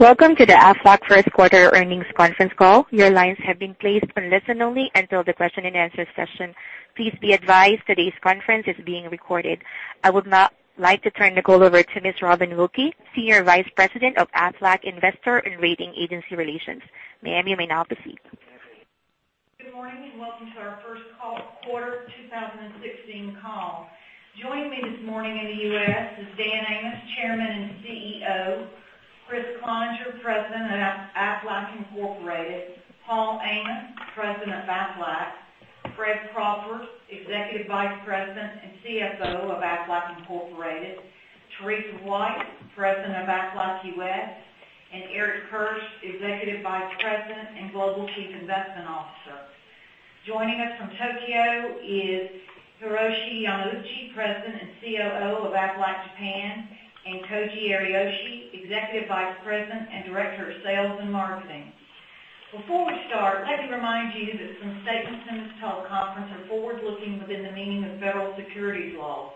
Welcome to the Aflac first quarter earnings conference call. Your lines have been placed on listen only until the question and answer session. Please be advised today's conference is being recorded. I would now like to turn the call over to Ms. Robin Wilder, Senior Vice President of Aflac Investor and Rating Agency Relations. Ma'am, you may now proceed. Good morning. Welcome to our first quarter 2016 call. Joining me this morning in the U.S. is Dan Amos, Chairman and CEO, Kriss Cloninger, President of Aflac Incorporated, Paul Amos, President of Aflac, Fred Crawford, Executive Vice President and CFO of Aflac Incorporated, Teresa White, President of Aflac U.S., and Eric Kirsch, Executive Vice President and Global Chief Investment Officer. Joining us from Tokyo is Hiroshi Yamauchi, President and COO of Aflac Japan, and Koji Ariyoshi, Executive Vice President and Director of Sales and Marketing. Before we start, let me remind you that some statements in this teleconference are forward-looking within the meaning of federal securities laws.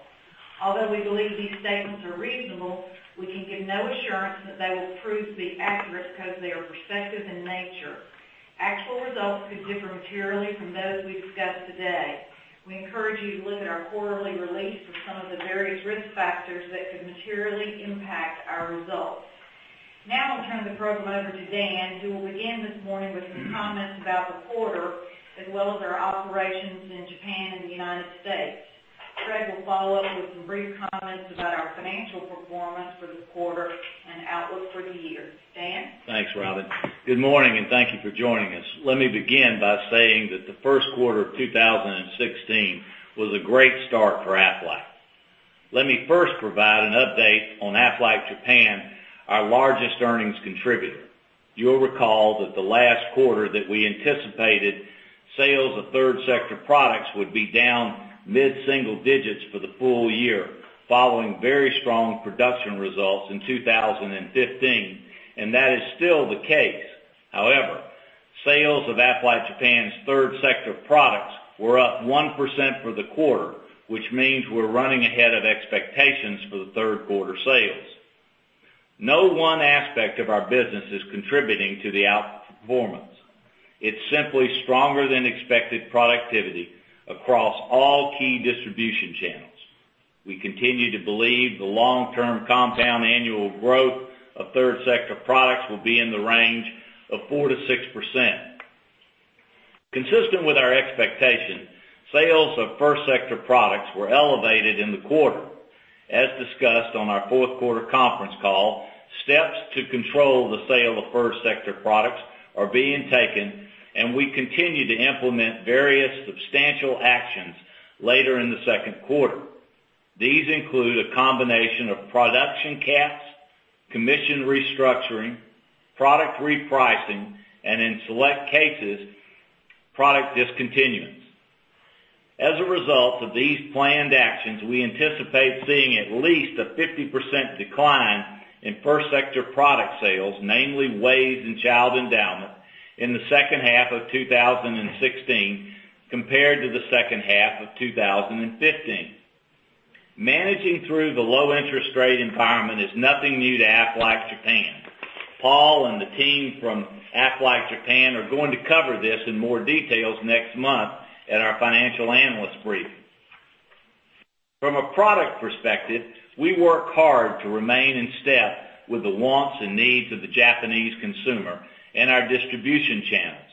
Although we believe these statements are reasonable, we can give no assurance that they will prove to be accurate because they are prospective in nature. Actual results could differ materially from those we discuss today. We encourage you to look at our quarterly release for some of the various risk factors that could materially impact our results. Now I'll turn the program over to Dan, who will begin this morning with some comments about the quarter, as well as our operations in Japan and the United States. Fred will follow up with some brief comments about our financial performance for the quarter and outlook for the year. Dan? Thanks, Robin. Good morning. Thank you for joining us. Let me begin by saying that the first quarter of 2016 was a great start for Aflac. Let me first provide an update on Aflac Japan, our largest earnings contributor. You'll recall that the last quarter that we anticipated sales of third sector products would be down mid-single digits for the full year, following very strong production results in 2015. That is still the case. However, sales of Aflac Japan's third sector products were up 1% for the quarter, which means we're running ahead of expectations for the third quarter sales. No one aspect of our business is contributing to the outperformance. It's simply stronger than expected productivity across all key distribution channels. We continue to believe the long-term compound annual growth of third sector products will be in the range of 4%-6%. Consistent with our expectation, sales of first sector products were elevated in the quarter. As discussed on our fourth quarter conference call, steps to control the sale of first sector products are being taken, and we continue to implement various substantial actions later in the second quarter. These include a combination of production caps, commission restructuring, product repricing, and in select cases, product discontinuance. As a result of these planned actions, we anticipate seeing at least a 50% decline in first sector product sales, namely WAYS and Child Endowment, in the second half of 2016 compared to the second half of 2015. Managing through the low interest rate environment is nothing new to Aflac Japan. Paul and the team from Aflac Japan are going to cover this in more details next month at our financial analyst briefing. From a product perspective, we work hard to remain in step with the wants and needs of the Japanese consumer and our distribution channels.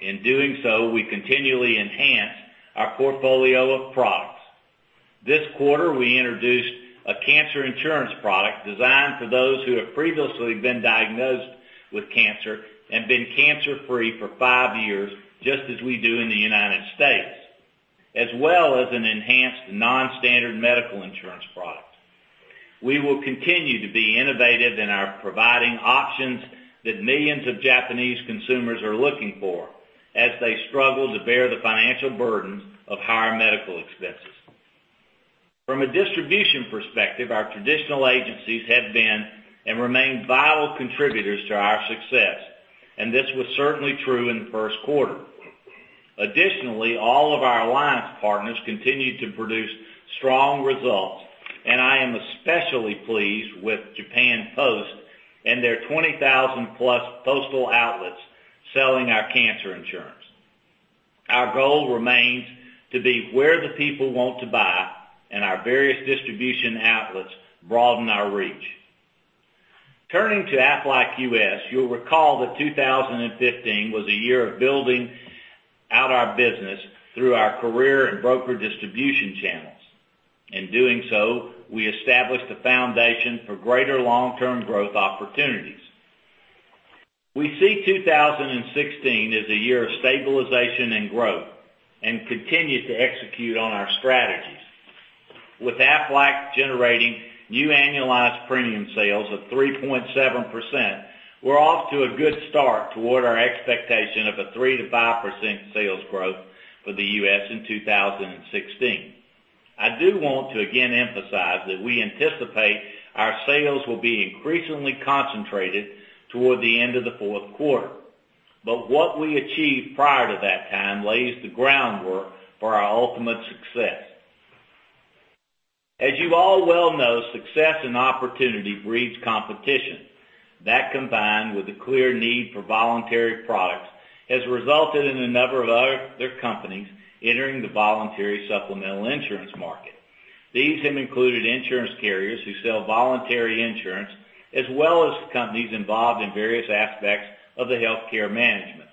In doing so, we continually enhance our portfolio of products. This quarter, we introduced a cancer insurance product designed for those who have previously been diagnosed with cancer and been cancer-free for five years, just as we do in the United States, as well as an enhanced non-standard medical insurance product. We will continue to be innovative in our providing options that millions of Japanese consumers are looking for as they struggle to bear the financial burden of higher medical expenses. From a distribution perspective, our traditional agencies have been and remain vital contributors to our success, and this was certainly true in the first quarter. Additionally, all of our alliance partners continued to produce strong results, and I am especially pleased with Japan Post and their 20,000-plus postal outlets selling our cancer insurance. Our goal remains to be where the people want to buy, and our various distribution outlets broaden our reach. Turning to Aflac U.S., you'll recall that 2015 was a year of building out our business through our career and broker distribution channels. In doing so, we established a foundation for greater long-term growth opportunities. We see 2016 as a year of stabilization and growth and continue to execute on our strategies. With Aflac generating new annualized premium sales of 3.7%, we're off to a good start toward our expectation of a 3% to 5% sales growth for the U.S. in 2016. I do want to again emphasize that we anticipate our sales will be increasingly concentrated toward the end of the fourth quarter. What we achieve prior to that time lays the groundwork for our ultimate success. As you all well know, success and opportunity breeds competition. That, combined with the clear need for voluntary products, has resulted in a number of other companies entering the voluntary supplemental insurance market. These have included insurance carriers who sell voluntary insurance, as well as companies involved in various aspects of healthcare management.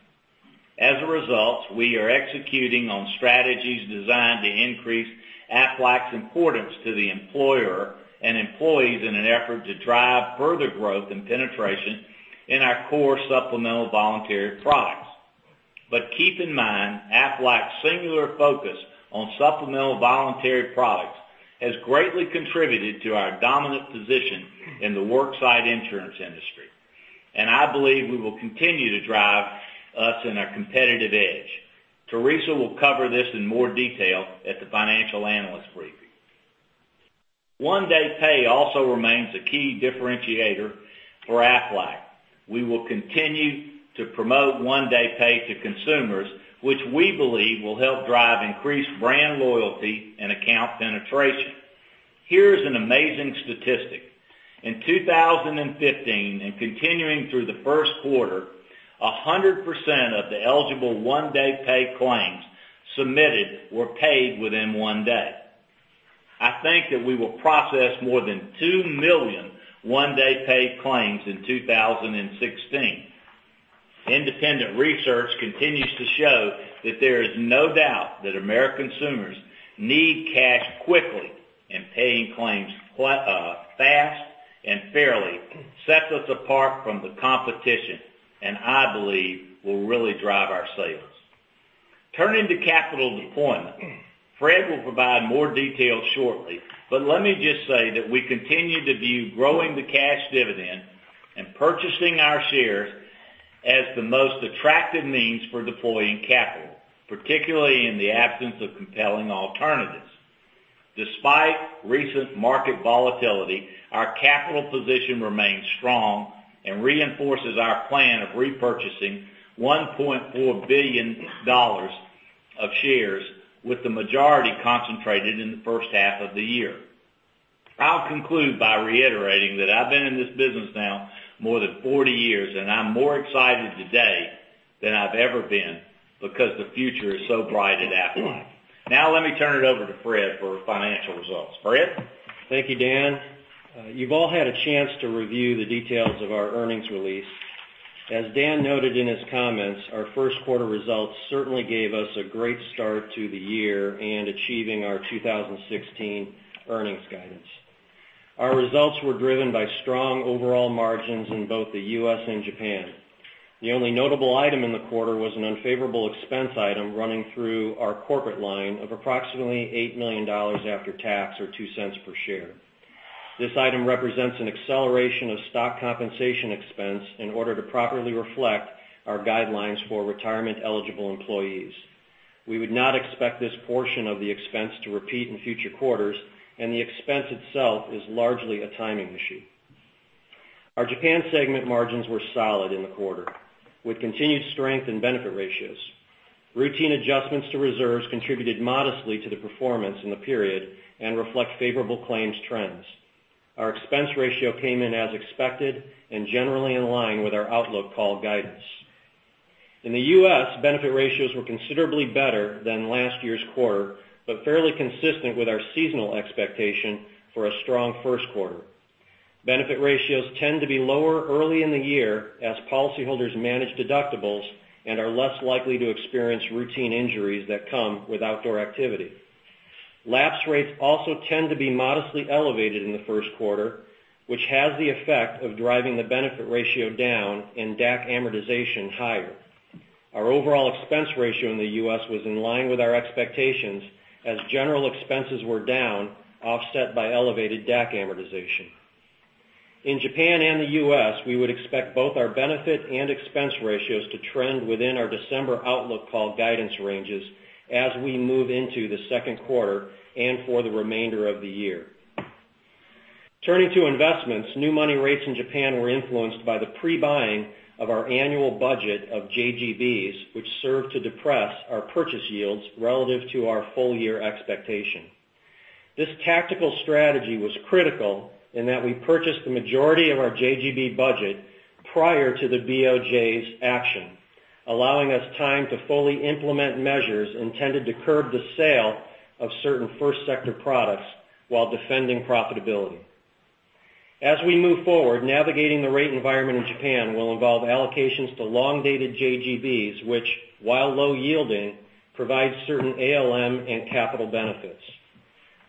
As a result, we are executing on strategies designed to increase Aflac's importance to the employer and employees in an effort to drive further growth and penetration in our core supplemental voluntary products. Keep in mind, Aflac's singular focus on supplemental voluntary products has greatly contributed to our dominant position in the worksite insurance industry. I believe we will continue to drive us in our competitive edge. Teresa will cover this in more detail at the financial analyst briefing. One Day Pay also remains a key differentiator for Aflac. We will continue to promote One Day Pay to consumers, which we believe will help drive increased brand loyalty and account penetration. Here is an amazing statistic. In 2015, and continuing through the first quarter, 100% of the eligible One Day Pay claims submitted were paid within one day. I think that we will process more than 2 million One Day Pay claims in 2016. Independent research continues to show that there is no doubt that American consumers need cash quickly, and paying claims fast and fairly sets us apart from the competition and I believe will really drive our sales. Turning to capital deployment, Fred will provide more details shortly, but let me just say that we continue to view growing the cash dividend and purchasing our shares as the most attractive means for deploying capital, particularly in the absence of compelling alternatives. Despite recent market volatility, our capital position remains strong and reinforces our plan of repurchasing $1.4 billion of shares, with the majority concentrated in the first half of the year. I'll conclude by reiterating that I've been in this business now more than 40 years, and I'm more excited today than I've ever been because the future is so bright at Aflac. Let me turn it over to Fred for financial results. Fred? Thank you, Dan. You've all had a chance to review the details of our earnings release. As Dan noted in his comments, our first quarter results certainly gave us a great start to the year and achieving our 2016 earnings guidance. Our results were driven by strong overall margins in both the U.S. and Japan. The only notable item in the quarter was an unfavorable expense item running through our corporate line of approximately $8 million after tax, or $0.02 per share. This item represents an acceleration of stock compensation expense in order to properly reflect our guidelines for retirement-eligible employees. We would not expect this portion of the expense to repeat in future quarters, and the expense itself is largely a timing issue. Our Japan segment margins were solid in the quarter, with continued strength in benefit ratios. Routine adjustments to reserves contributed modestly to the performance in the period and reflect favorable claims trends. Our expense ratio came in as expected and generally in line with our outlook call guidance. In the U.S., benefit ratios were considerably better than last year's quarter, but fairly consistent with our seasonal expectation for a strong first quarter. Benefit ratios tend to be lower early in the year as policyholders manage deductibles and are less likely to experience routine injuries that come with outdoor activity. Lapse rates also tend to be modestly elevated in the first quarter, which has the effect of driving the benefit ratio down and DAC amortization higher. Our overall expense ratio in the U.S. was in line with our expectations as general expenses were down, offset by elevated DAC amortization. In Japan and the U.S., we would expect both our benefit and expense ratios to trend within our December outlook call guidance ranges as we move into the second quarter and for the remainder of the year. Turning to investments, new money rates in Japan were influenced by the pre-buying of our annual budget of JGBs, which served to depress our purchase yields relative to our full-year expectation. This tactical strategy was critical in that we purchased the majority of our JGB budget prior to the BOJ's action, allowing us time to fully implement measures intended to curb the sale of certain first sector products while defending profitability. As we move forward, navigating the rate environment in Japan will involve allocations to long-dated JGBs, which, while low yielding, provide certain ALM and capital benefits.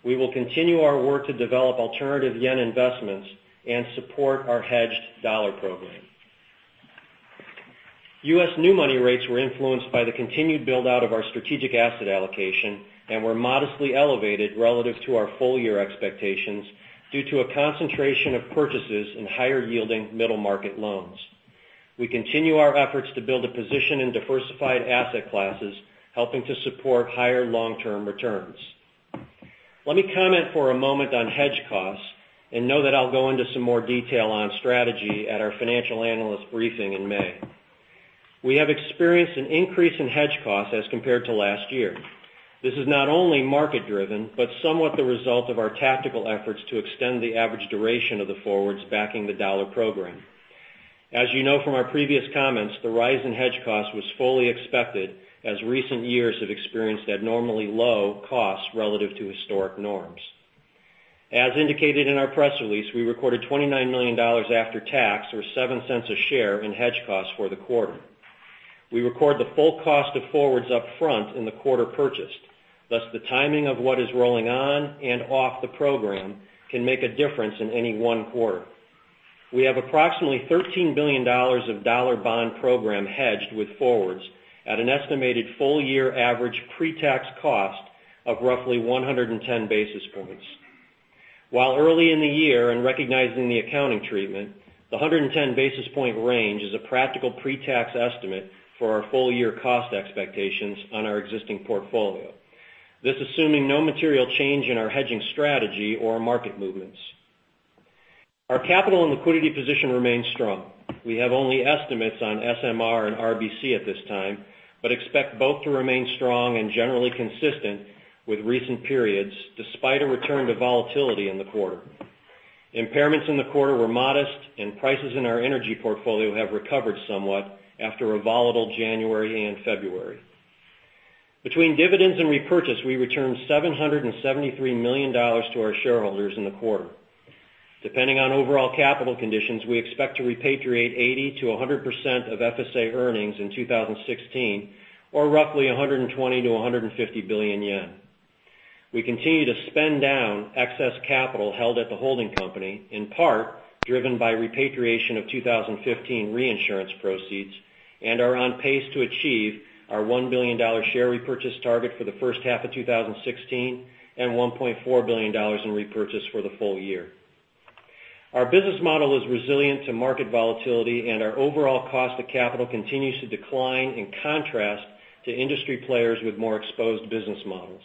We will continue our work to develop alternative JPY investments and support our hedged USD program. U.S. new money rates were influenced by the continued build-out of our strategic asset allocation and were modestly elevated relative to our full-year expectations due to a concentration of purchases in higher-yielding middle-market loans. We continue our efforts to build a position in diversified asset classes, helping to support higher long-term returns. Let me comment for a moment on hedge costs and know that I'll go into some more detail on strategy at our financial analyst briefing in May. We have experienced an increase in hedge costs as compared to last year. This is not only market-driven, but somewhat the result of our tactical efforts to extend the average duration of the forwards backing the USD program. As you know from our previous comments, the rise in hedge cost was fully expected as recent years have experienced abnormally low costs relative to historic norms. As indicated in our press release, we recorded $29 million after tax, or $0.07 a share in hedge costs for the quarter. We record the full cost of forwards up front in the quarter purchased. Thus, the timing of what is rolling on and off the program can make a difference in any one quarter. We have approximately $13 billion of USD bond program hedged with forwards at an estimated full-year average pre-tax cost of roughly 110 basis points. While early in the year and recognizing the accounting treatment, the 110 basis point range is a practical pre-tax estimate for our full-year cost expectations on our existing portfolio. This assuming no material change in our hedging strategy or market movements. Our capital and liquidity position remains strong. We have only estimates on SMR and RBC at this time, but expect both to remain strong and generally consistent with recent periods, despite a return to volatility in the quarter. Impairments in the quarter were modest, and prices in our energy portfolio have recovered somewhat after a volatile January and February. Between dividends and repurchase, we returned $773 million to our shareholders in the quarter. Depending on overall capital conditions, we expect to repatriate 80%-100% of FSA earnings in 2016, or roughly 120 billion-150 billion yen. We continue to spend down excess capital held at the holding company, in part driven by repatriation of 2015 reinsurance proceeds, and are on pace to achieve our $1 billion share repurchase target for the first half of 2016 and $1.4 billion in repurchase for the full-year. Our business model is resilient to market volatility, our overall cost of capital continues to decline in contrast to industry players with more exposed business models.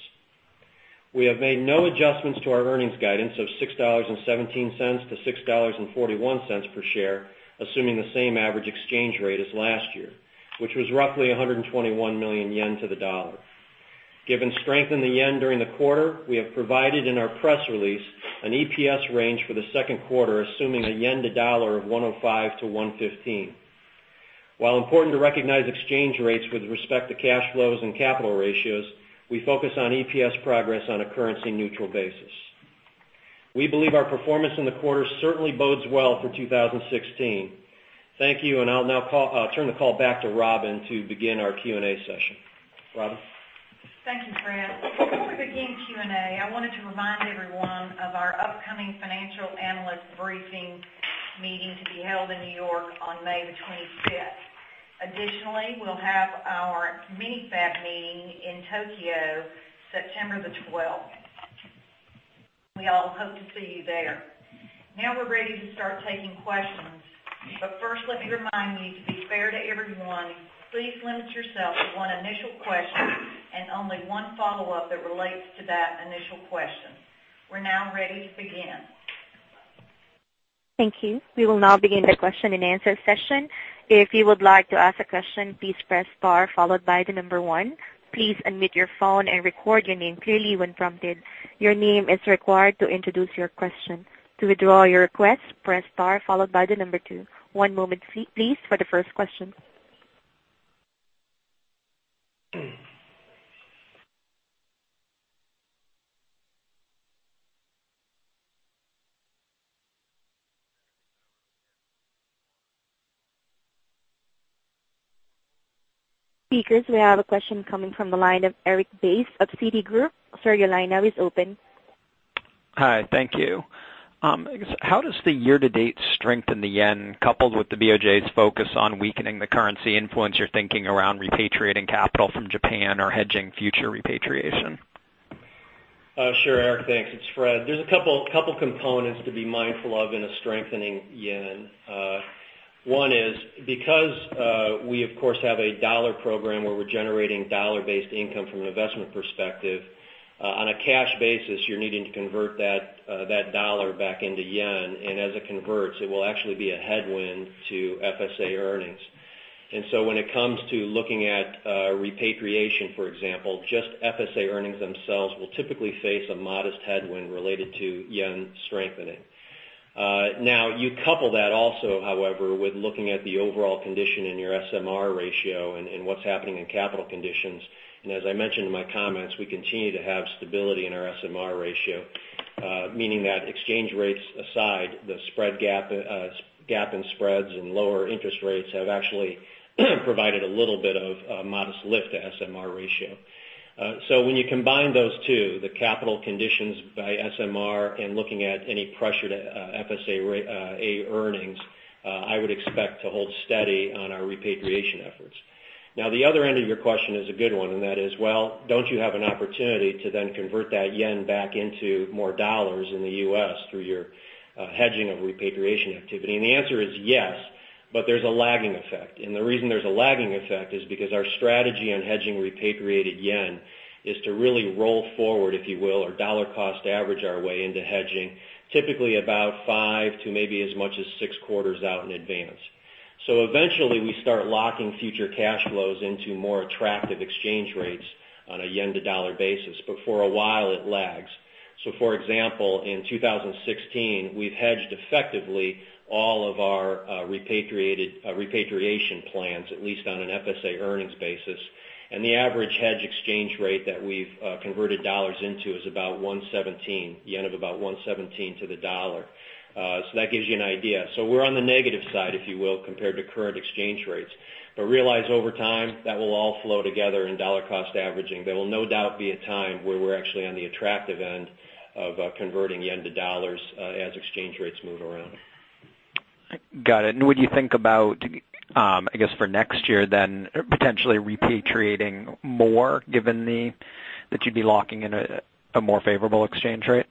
We have made no adjustments to our earnings guidance of $6.17 to $6.41 per share, assuming the same average exchange rate as last year, which was roughly 121 million yen to the dollar. Given strength in the JPY during the quarter, we have provided in our press release an EPS range for the second quarter, assuming a JPY to dollar of 105 to 115. While important to recognize exchange rates with respect to cash flows and capital ratios, we focus on EPS progress on a currency-neutral basis. We believe our performance in the quarter certainly bodes well for 2016. Thank you. I'll now turn the call back to Robin to begin our Q&A session. Robin? Thank you, Fred. Before we begin Q&A, I wanted to remind everyone of our upcoming Financial Analyst Briefing meeting to be held in New York on May the 25th. Additionally, we'll have our mini FAB meeting in Tokyo, September the 12th. We all hope to see you there. Now we're ready to start taking questions. First, let me remind you, to be fair to everyone, please limit yourself to one initial question and only one follow-up that relates to that initial question. We're now ready to begin. Thank you. We will now begin the question and answer session. If you would like to ask a question, please press star followed by the number 1. Please unmute your phone and record your name clearly when prompted. Your name is required to introduce your question. To withdraw your request, press star followed by the number 2. One moment, please, for the first question. Speakers, we have a question coming from the line of Erik Bass of Citigroup. Sir, your line now is open. Hi, thank you. How does the year-to-date strength in the JPY, coupled with the BOJ's focus on weakening the currency influence your thinking around repatriating capital from Japan or hedging future repatriation? Sure, Eric, thanks. It's Fred. There is a couple components to be mindful of in a strengthening JPY. One is because we, of course, have a dollar program where we are generating USD-based income from an investment perspective. On a cash basis, you are needing to convert that USD back into JPY, and as it converts, it will actually be a headwind to FSA earnings. When it comes to looking at repatriation, for example, just FSA earnings themselves will typically face a modest headwind related to JPY strengthening. You couple that also, however, with looking at the overall condition in your SMR ratio and what is happening in capital conditions. As I mentioned in my comments, we continue to have stability in our SMR ratio, meaning that exchange rates aside, the gap in spreads and lower interest rates have actually provided a little bit of a modest lift to SMR ratio. When you combine those two, the capital conditions by SMR and looking at any pressure to FSA earnings, I would expect to hold steady on our repatriation efforts. The other end of your question is a good one, and that is, well, don't you have an opportunity to then convert that JPY back into more USD in the U.S. through your hedging of repatriation activity? The answer is yes, but there is a lagging effect. The reason there is a lagging effect is because our strategy on hedging repatriated JPY is to really roll forward, if you will, or dollar cost average our way into hedging, typically about five to maybe as much as six quarters out in advance. Eventually, we start locking future cash flows into more attractive exchange rates on a JPY to USD basis, but for a while, it lags. For example, in 2016, we have hedged effectively all of our repatriation plans, at least on an FSA earnings basis. The average hedge exchange rate that we have converted USD into is about 117, JPY of about 117 to the USD. That gives you an idea. We are on the negative side, if you will, compared to current exchange rates. Realize over time, that will all flow together in dollar cost averaging. There will no doubt be a time where we are actually on the attractive end of converting JPY to USD as exchange rates move around. Got it. Would you think about, I guess, for next year then, potentially repatriating more given that you'd be locking in a more favorable exchange rate?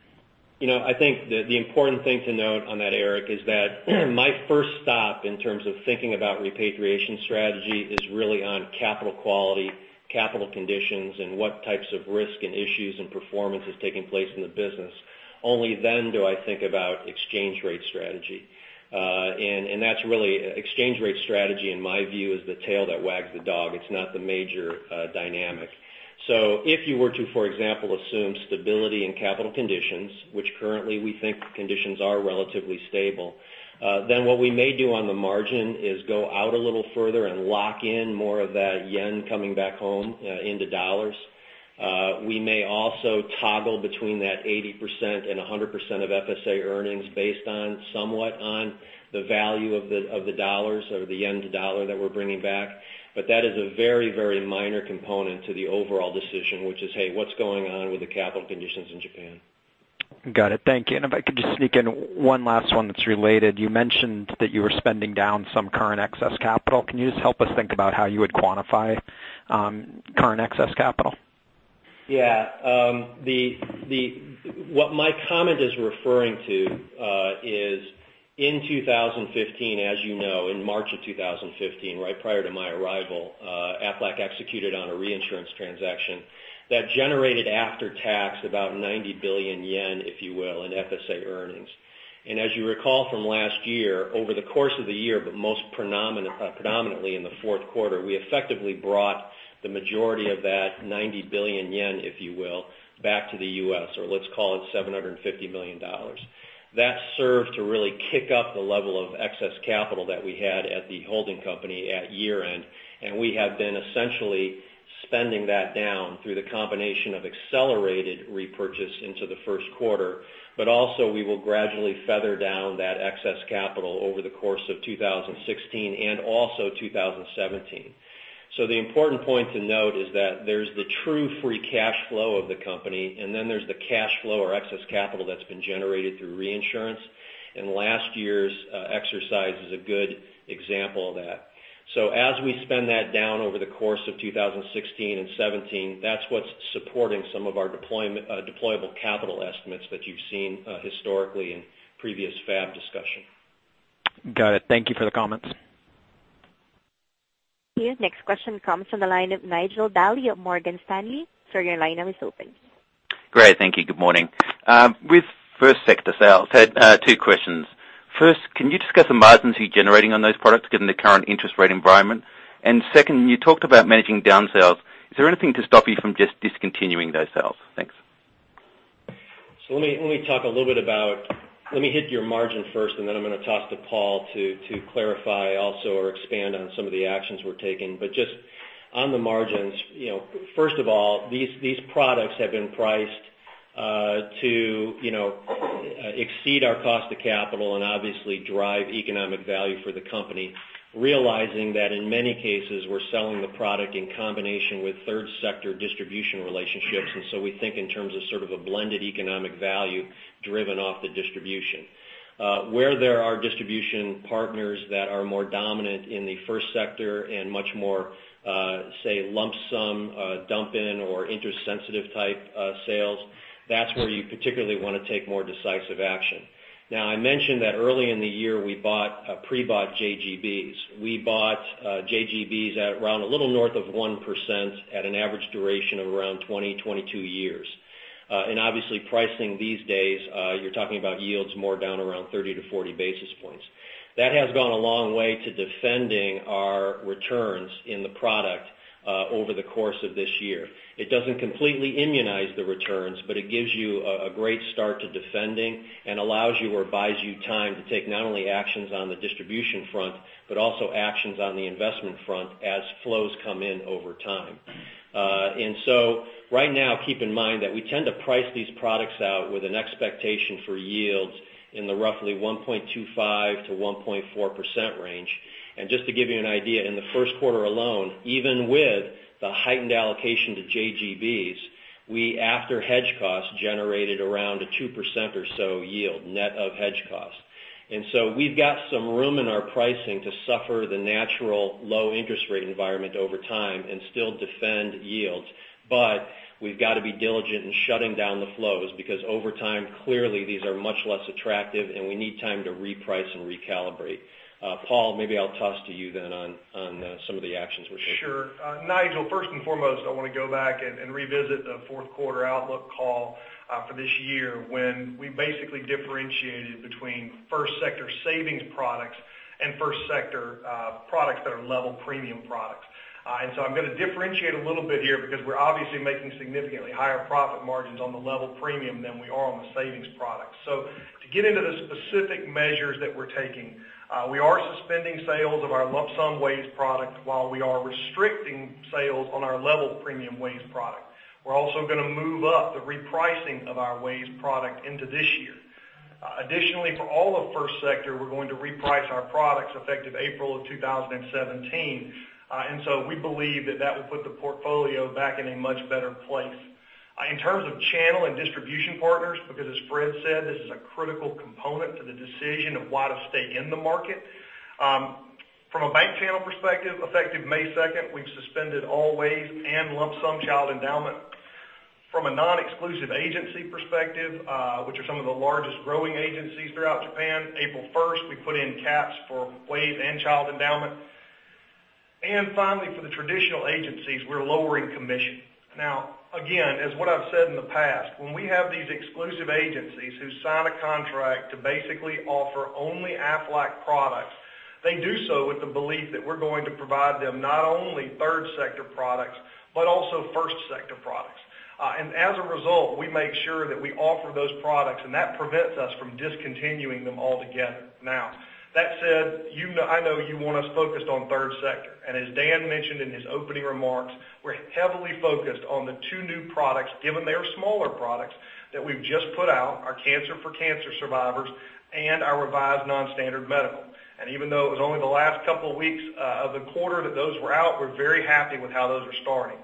I think the important thing to note on that, Eric, is that my first stop in terms of thinking about repatriation strategy is really on capital quality, capital conditions, and what types of risk and issues and performance is taking place in the business. Only then do I think about exchange rate strategy. Exchange rate strategy, in my view, is the tail that wags the dog. It's not the major dynamic. If you were to, for example, assume stability in capital conditions, which currently we think conditions are relatively stable, what we may do on the margin is go out a little further and lock in more of that yen coming back home into dollars. We may also toggle between that 80% and 100% of FSA earnings based somewhat on the value of the dollars or the yen to dollar that we're bringing back. That is a very minor component to the overall decision, which is, hey, what's going on with the capital conditions in Japan? Got it. Thank you. If I could just sneak in one last one that's related. You mentioned that you were spending down some current excess capital. Can you just help us think about how you would quantify current excess capital? Yeah. What my comment is referring to is in 2015, as you know, in March of 2015, right prior to my arrival, Aflac executed on a reinsurance transaction that generated after-tax about 90 billion yen, if you will, in FSA earnings. As you recall from last year, over the course of the year, but most predominantly in the fourth quarter, we effectively brought the majority of that 90 billion yen, if you will, back to the U.S., or let's call it $750 million. That served to really kick up the level of excess capital that we had at the holding company at year-end. We have been essentially spending that down through the combination of accelerated repurchase into the first quarter. Also, we will gradually feather down that excess capital over the course of 2016 and also 2017. The important point to note is that there's the true free cash flow of the company, and then there's the cash flow or excess capital that's been generated through reinsurance. Last year's exercise is a good example of that. As we spend that down over the course of 2016 and 2017, that's what's supporting some of our deployable capital estimates that you've seen historically in previous FAB discussion. Got it. Thank you for the comments. Your next question comes from the line of Nigel Dally of Morgan Stanley. Sir, your line now is open. Great. Thank you. Good morning. With first sector sales, I had two questions. First, can you discuss the margins you're generating on those products given the current interest rate environment? Second, you talked about managing down sales. Is there anything to stop you from just discontinuing those sales? Thanks. Let me hit your margin first, and then I'm going to toss to Paul to clarify also or expand on some of the actions we're taking. Just on the margins, first of all, these products have been priced to exceed our cost of capital and obviously drive economic value for the company, realizing that in many cases, we're selling the product in combination with third sector distribution relationships. We think in terms of sort of a blended economic value driven off the distribution. Where there are distribution partners that are more dominant in the first sector and much more, say, lump sum dump in or interest sensitive type sales, that's where you particularly want to take more decisive action. I mentioned that early in the year, we pre-bought JGBs. We bought JGBs at around a little north of 1% at an average duration of around 20, 22 years. Obviously pricing these days, you're talking about yields more down around 30 to 40 basis points. That has gone a long way to defending our returns in the product over the course of this year. It doesn't completely immunize the returns, it gives you a great start to defending and allows you or buys you time to take not only actions on the distribution front, but also actions on the investment front as flows come in over time. Right now, keep in mind that we tend to price these products out with an expectation for yields in the roughly 1.25%-1.4% range. Just to give you an idea, in the first quarter alone, even with the heightened allocation to JGBs, we, after hedge costs, generated around a 2% or so yield net of hedge cost. We've got some room in our pricing to suffer the natural low interest rate environment over time and still defend yields. We've got to be diligent in shutting down the flows because over time, clearly these are much less attractive and we need time to reprice and recalibrate. Paul, maybe I'll toss to you on some of the actions we're taking. Sure. Nigel, first and foremost, I want to go back and revisit the fourth quarter outlook call for this year when we basically differentiated between first sector savings products and first sector products that are level premium products. I'm going to differentiate a little bit here because we're obviously making significantly higher profit margins on the level premium than we are on the savings products. To get into the specific measures that we're taking, we are suspending sales of our lump sum WAYS product while we are restricting sales on our level premium WAYS product. We're also going to move up the repricing of our WAYS product into this year. Additionally, for all of first sector, we're going to reprice our products effective April of 2017. We believe that that will put the portfolio back in a much better place. In terms of channel and distribution partners, because as Fred said, this is a critical component to the decision of why to stay in the market. From a bank channel perspective, effective May 2nd, we've suspended all WAYS and lump sum Child Endowment. From a non-exclusive agency perspective, which are some of the largest growing agencies throughout Japan, April 1st, we put in caps for WAYS and Child Endowment. Finally, for the traditional agencies, we're lowering commission. Now, again, as what I've said in the past, when we have these exclusive agencies who sign a contract to basically offer only Aflac products, they do so with the belief that we're going to provide them not only third sector products, but also first sector products. As a result, we make sure that we offer those products and that prevents us from discontinuing them altogether. Now, that said, I know you want us focused on third sector, as Dan mentioned in his opening remarks, we're heavily focused on the two new products, given they are smaller products that we've just put out, our Cancer for Cancer Survivors and our revised non-standard medical. Even though it was only the last couple of weeks of the quarter that those were out, we're very happy with how those are starting.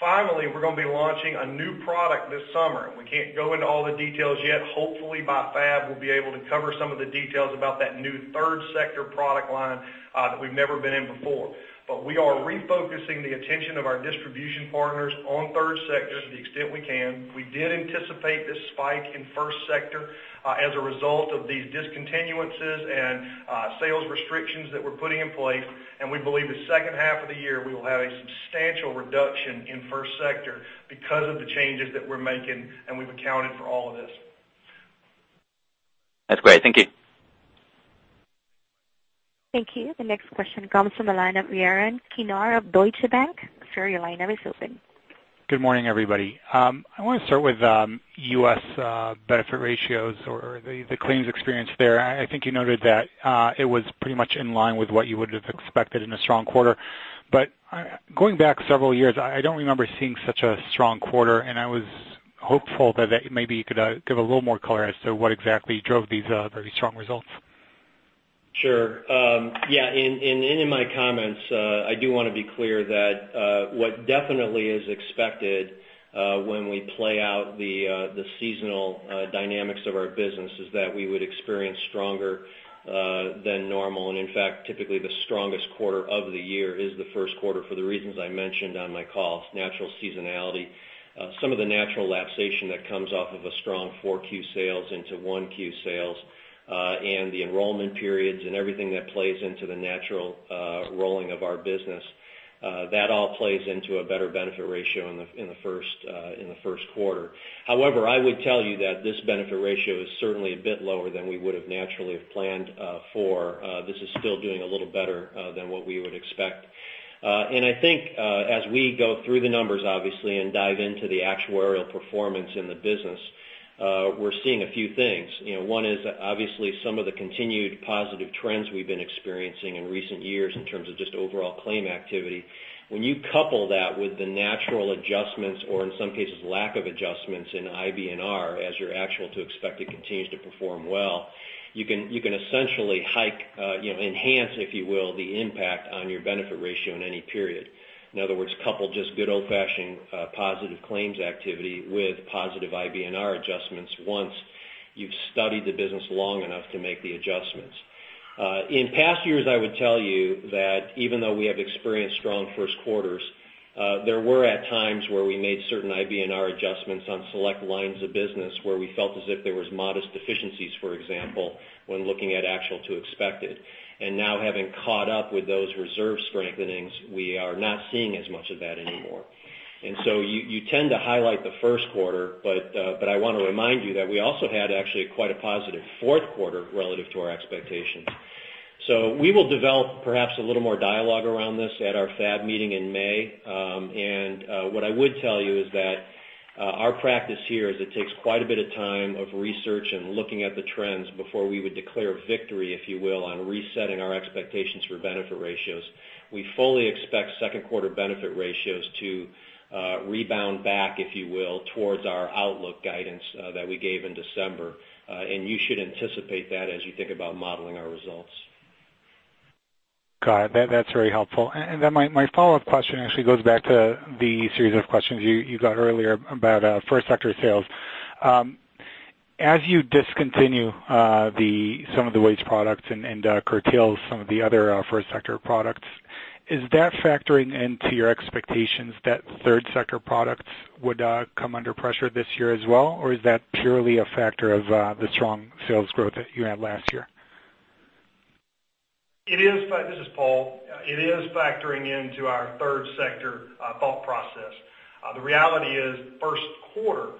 Finally, we're going to be launching a new product this summer. We can't go into all the details yet. Hopefully by FAB, we'll be able to cover some of the details about that new third sector product line that we've never been in before. We are refocusing the attention of our distribution partners on third sector to the extent we can. We did anticipate this spike in first sector as a result of these discontinuances and sales restrictions that we're putting in place. We believe the second half of the year, we will have a substantial reduction in first sector because of the changes that we're making, and we've accounted for all of this. That's great. Thank you. Thank you. The next question comes from the line of Yaron Kinar of Deutsche Bank. Sir, your line is open. Good morning, everybody. I want to start with U.S. benefit ratios or the claims experience there. I think you noted that it was pretty much in line with what you would have expected in a strong quarter. Going back several years, I don't remember seeing such a strong quarter, and I was hopeful that maybe you could give a little more color as to what exactly drove these very strong results. Sure. In my comments, I do want to be clear that what definitely is expected when we play out the seasonal dynamics of our business is that we would experience stronger than normal. In fact, typically the strongest quarter of the year is the first quarter for the reasons I mentioned on my call, natural seasonality. Some of the natural lapsation that comes off of a strong 4Q sales into 1Q sales, and the enrollment periods and everything that plays into the natural rolling of our business, that all plays into a better benefit ratio in the first quarter. I would tell you that this benefit ratio is certainly a bit lower than we would've naturally have planned for. This is still doing a little better than what we would expect. I think as we go through the numbers, obviously, and dive into the actuarial performance in the business, we're seeing a few things. One is obviously some of the continued positive trends we've been experiencing in recent years in terms of just overall claim activity. When you couple that with the natural adjustments or in some cases, lack of adjustments in IBNR as your actual to expected continues to perform well, you can essentially hike, enhance, if you will, the impact on your benefit ratio in any period. In other words, couple just good old-fashioned positive claims activity with positive IBNR adjustments once you've studied the business long enough to make the adjustments. In past years, I would tell you that even though we have experienced strong first quarters, there were at times where we made certain IBNR adjustments on select lines of business where we felt as if there was modest deficiencies, for example, when looking at actual to expected. Now having caught up with those reserve strengthenings, we are not seeing as much of that anymore. You tend to highlight the first quarter, but I want to remind you that we also had actually quite a positive fourth quarter relative to our expectations. We will develop perhaps a little more dialogue around this at our FAB meeting in May. What I would tell you is that our practice here is it takes quite a bit of time of research and looking at the trends before we would declare victory, if you will, on resetting our expectations for benefit ratios. We fully expect second quarter benefit ratios to rebound back, if you will, towards our outlook guidance that we gave in December. You should anticipate that as you think about modeling our results. Got it. That's very helpful. Then my follow-up question actually goes back to the series of questions you got earlier about first sector sales. As you discontinue some of the WAYS products and curtail some other first sector products, is that factoring into your expectations that third sector products would come under pressure this year as well? Is that purely a factor of the strong sales growth that you had last year? This is Paul. It is factoring into our third sector thought process. The reality is, first quarter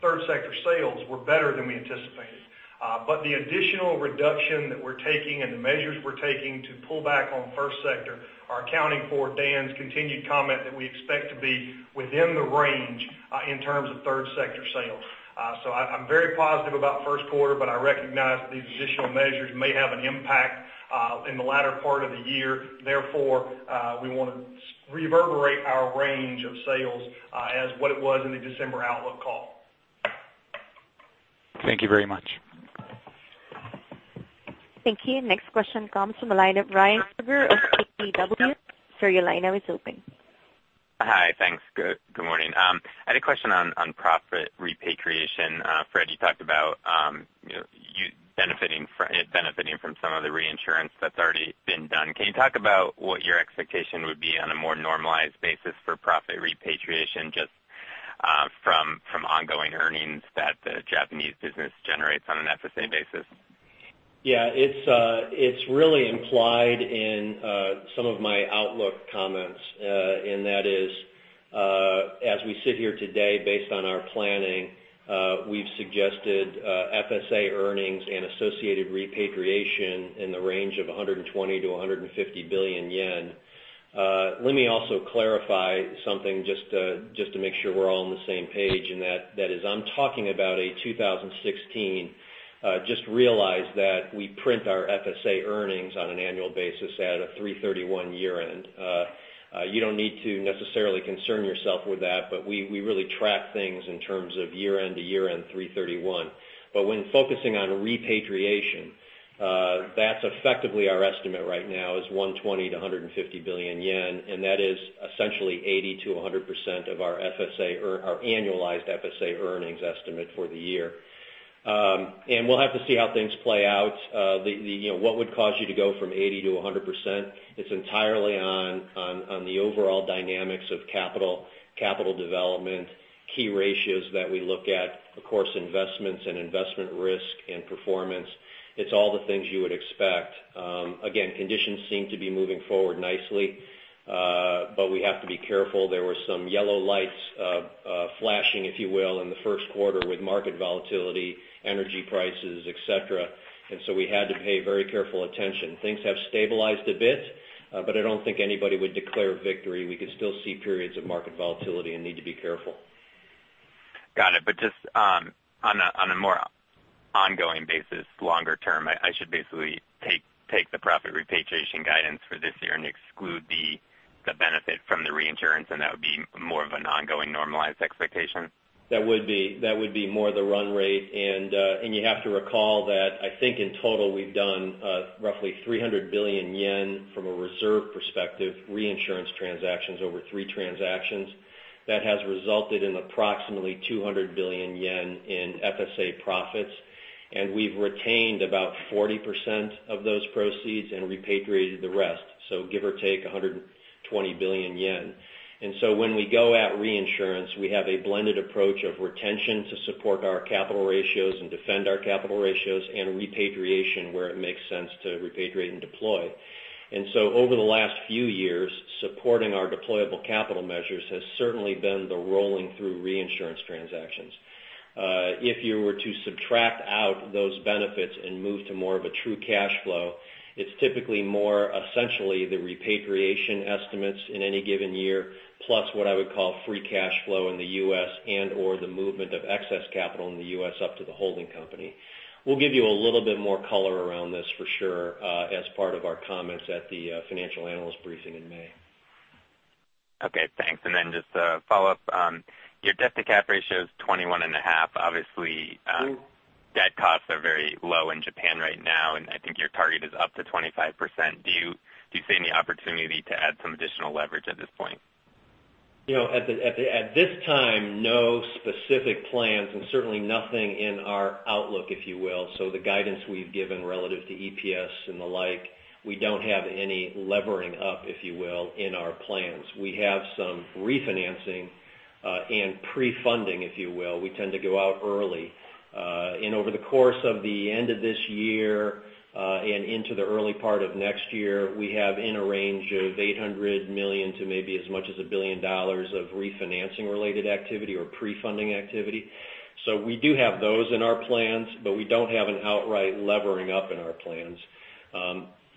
third sector sales were better than we anticipated. The additional reduction that we're taking and the measures we're taking to pull back on first sector are accounting for Dan's continued comment that we expect to be within the range in terms of third sector sales. I'm very positive about first quarter, but I recognize that these additional measures may have an impact in the latter part of the year, therefore, we want to reverberate our range of sales as what it was in the December outlook call. Thank you very much. Thank you. Next question comes from Ryan Krueger of KBW. Sir, your line now is open. Hi. Thanks. Good morning. I had a question on profit repatriation. Fred, you talked about it benefiting from some of the reinsurance that's already been done. Can you talk about what your expectation would be on a more normalized basis for profit repatriation, just from ongoing earnings that the Japanese business generates on an FSA basis? Yeah. It's really implied in some of my outlook comments, and that is, as we sit here today, based on our planning, we've suggested FSA earnings and associated repatriation in the range of 120 billion-150 billion yen. Let me also clarify something just to make sure we're all on the same page, and that is, I'm talking about a 2016. Just realize that we print our FSA earnings on an annual basis at a 3/31 year-end. You don't need to necessarily concern yourself with that, but we really track things in terms of year-end to year-end 3/31. When focusing on repatriation, that's effectively our estimate right now is 120 billion-150 billion yen, and that is essentially 80%-100% of our annualized FSA earnings estimate for the year. We'll have to see how things play out. What would cause you to go from 80%-100%? It's entirely on the overall dynamics of capital development, key ratios that we look at, of course, investments and investment risk and performance. It's all the things you would expect. Again, conditions seem to be moving forward nicely, but we have to be careful. There were some yellow lights flashing, if you will, in the first quarter with market volatility, energy prices, et cetera, and so we had to pay very careful attention. Things have stabilized a bit, but I don't think anybody would declare victory. We could still see periods of market volatility and need to be careful. Got it. Just on a more ongoing basis, longer term, I should basically take the profit repatriation guidance for this year and exclude the benefit from the reinsurance, and that would be more of an ongoing normalized expectation? That would be more the run rate, and you have to recall that I think in total, we've done roughly 300 billion yen from a reserve perspective, reinsurance transactions over three transactions. That has resulted in approximately 200 billion yen in FSA profits, and we've retained about 40% of those proceeds and repatriated the rest. Give or take 120 billion yen. When we go at reinsurance, we have a blended approach of retention to support our capital ratios and defend our capital ratios, and repatriation where it makes sense to repatriate and deploy. Over the last few years, supporting our deployable capital measures has certainly been the rolling through reinsurance transactions. If you were to subtract out those benefits and move to more of a true cash flow, it's typically more essentially the repatriation estimates in any given year, plus what I would call free cash flow in the U.S. and/or the movement of excess capital in the U.S. up to the holding company. We'll give you a little bit more color around this for sure, as part of our comments at the financial analyst briefing in May. Okay, thanks. Just a follow-up. Your debt to cap ratio is 21.5%. Obviously, debt costs are very low in Japan right now, and I think your target is up to 25%. Do you see any opportunity to add some additional leverage at this point? At this time, no specific plans and certainly nothing in our outlook, if you will. The guidance we've given relative to EPS and the like, we don't have any levering up, if you will, in our plans. We have some refinancing and pre-funding, if you will. We tend to go out early. Over the course of the end of this year and into the early part of next year, we have in a range of $800 million-$1 billion of refinancing related activity or pre-funding activity. We do have those in our plans, but we don't have an outright levering up in our plans.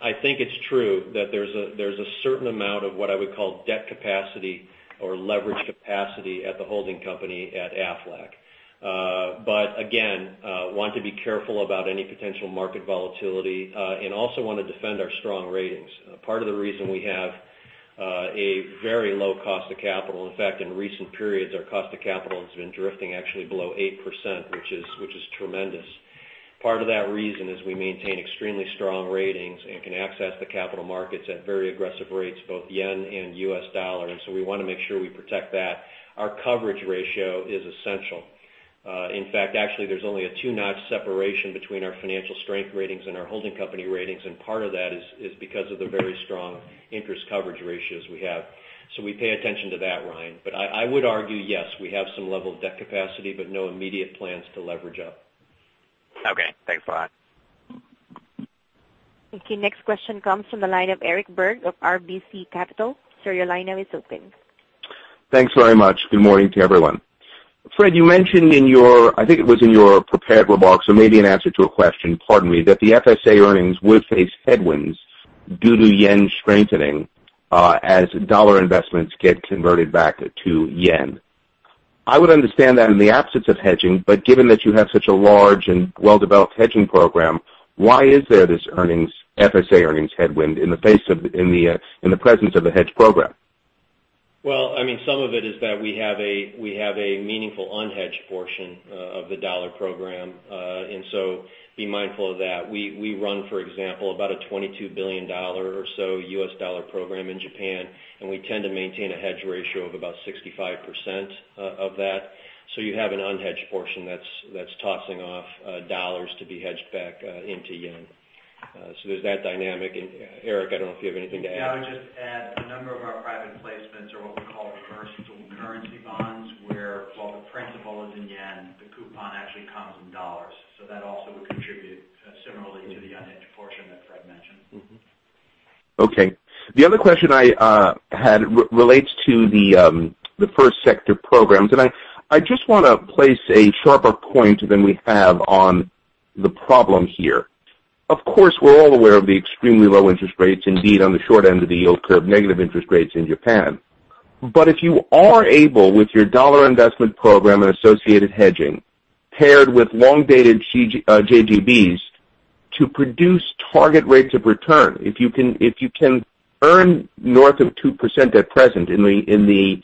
I think it's true that there's a certain amount of what I would call debt capacity or leverage capacity at the holding company at Aflac. Again, want to be careful about any potential market volatility, and also want to defend our strong ratings. Part of the reason we have a very low cost of capital, in fact, in recent periods, our cost of capital has been drifting actually below 8%, which is tremendous. Part of that reason is we maintain extremely strong ratings and can access the capital markets at very aggressive rates, both JPY and U.S. dollars. We want to make sure we protect that. Our coverage ratio is essential. In fact, actually, there's only a two-notch separation between our financial strength ratings and our holding company ratings, and part of that is because of the very strong interest coverage ratios we have. We pay attention to that, Ryan. I would argue, yes, we have some level of debt capacity, but no immediate plans to leverage up. Okay. Thanks a lot. Okay. Next question comes from the line of Eric Berg of RBC Capital. Sir, your line now is open. Thanks very much. Good morning to everyone. Fred, you mentioned, I think it was in your prepared remarks or maybe in answer to a question, pardon me, that the FSA earnings would face headwinds due to yen strengthening as dollar investments get converted back to yen. I would understand that in the absence of hedging, but given that you have such a large and well-developed hedging program, why is there this FSA earnings headwind in the presence of the hedge program? Well, some of it is that we have a meaningful unhedged portion of the dollar program. Be mindful of that. We run, for example, about a $22 billion or so US dollar program in Japan, and we tend to maintain a hedge ratio of about 65% of that. You have an unhedged portion that's tossing off dollars to be hedged back into yen. There's that dynamic. Eric, I don't know if you have anything to add. Yeah, I would just add a number of our private placements are what we call reverse dual currency bonds, where while the principal is in JPY, the coupon actually comes in USD. That also would contribute similarly to the unhedged portion that Fred mentioned. Mm-hmm. Okay. The other question I had relates to the first sector programs. I just want to place a sharper point than we have on the problem here. Of course, we're all aware of the extremely low interest rates indeed on the short end of the yield curve, negative interest rates in Japan. If you are able, with your USD investment program and associated hedging, paired with long-dated JGBs to produce target rates of return. If you can earn north of 2% at present in the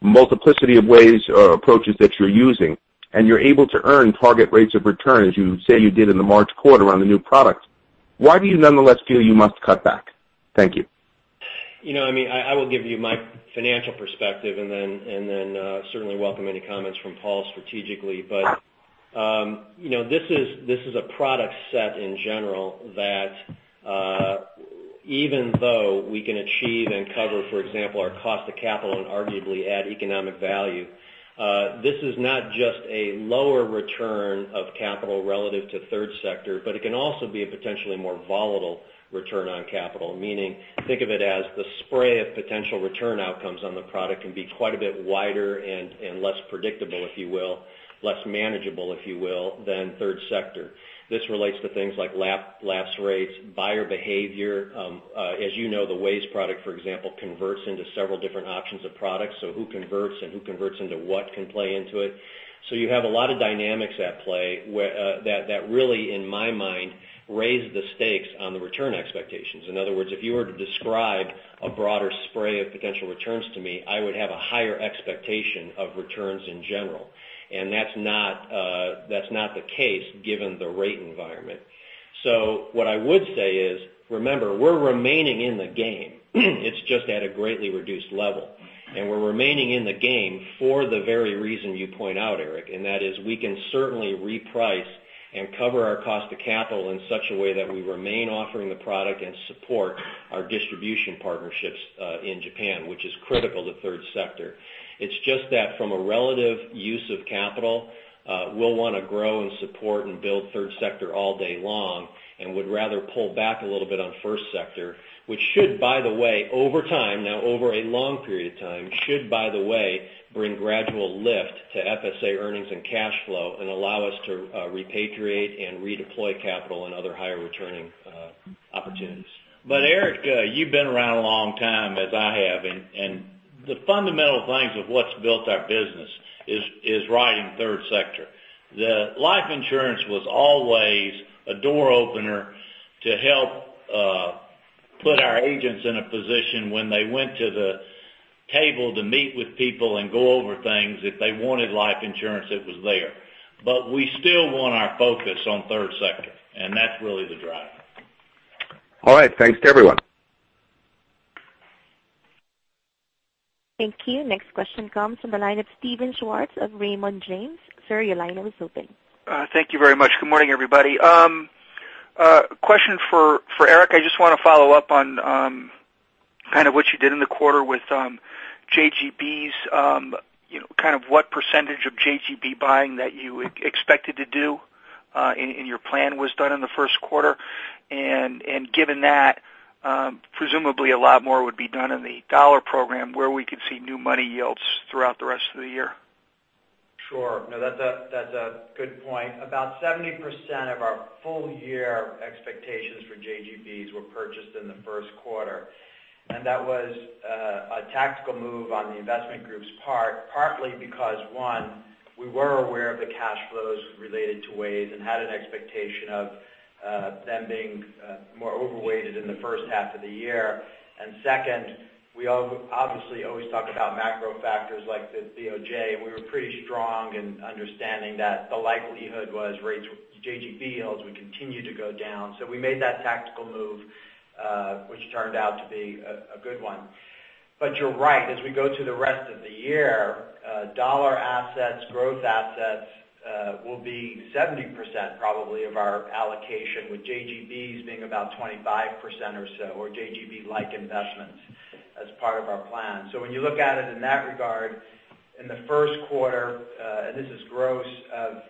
multiplicity of ways or approaches that you're using, and you're able to earn target rates of return, as you say you did in the March quarter on the new product, why do you nonetheless feel you must cut back? Thank you. I will give you my financial perspective and then certainly welcome any comments from Paul strategically. This is a product set in general that even though we can achieve and cover, for example, our cost of capital and arguably add economic value, this is not just a lower return of capital relative to third sector, but it can also be a potentially more volatile return on capital. Meaning, think of it as the spray of potential return outcomes on the product can be quite a bit wider and less predictable, if you will, less manageable, if you will, than third sector. This relates to things like lapse rates, buyer behavior. As you know, the WAYS product, for example, converts into several different options of products. Who converts and who converts into what can play into it. You have a lot of dynamics at play that really, in my mind, raise the stakes on the return expectations. In other words, if you were to describe a broader spray of potential returns to me, I would have a higher expectation of returns in general. That's not the case given the rate environment. What I would say is, remember, we're remaining in the game. It's just at a greatly reduced level. We're remaining in the game for the very reason you point out, Eric, and that is we can certainly reprice and cover our cost of capital in such a way that we remain offering the product and support our distribution partnerships in Japan, which is critical to third sector. It's just that from a relative use of capital, we'll want to grow and support and build Third Sector all day long and would rather pull back a little bit on First Sector. Which should, by the way, over time, now over a long period of time, should, by the way, bring gradual lift to FSA earnings and cash flow and allow us to repatriate and redeploy capital in other higher returning opportunities. Eric, you've been around a long time, as I have, and the fundamental things of what's built our business is right in Third Sector. The life insurance was always a door opener to help put our agents in a position when they went to the table to meet with people and go over things. If they wanted life insurance, it was there. We still want our focus on Third Sector, and that's really the driver. All right. Thanks to everyone. Thank you. Next question comes from the line of Steven Schwartz of Raymond James. Sir, your line now is open. Thank you very much. Good morning, everybody. Question for Eric. I just want to follow up on kind of what you did in the quarter with JGBs. What percentage of JGB buying that you expected to do in your plan was done in the first quarter. Given that, presumably a lot more would be done in the dollar program where we could see new money yields throughout the rest of the year. Sure. No, that's a good point. About 70% of our full year expectations for JGBs were purchased in the first quarter. That was a tactical move on the investment group's part, partly because, one, we were aware of the cash flows related to WAYS and had an expectation of them being more overweighted in the first half of the year. Second, we obviously always talk about macro factors like the BOJ, and we were pretty strong in understanding that the likelihood was JGB yields would continue to go down. We made that tactical move, which turned out to be a good one. You're right. As we go through the rest of the year, dollar assets, growth assets will be 70% probably of our allocation, with JGBs being about 25% or so, or JGB-like investments as part of our plan. When you look at it in that regard, in the first quarter, this is gross of